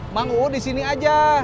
mang u disini aja